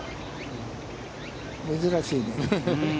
珍しいね。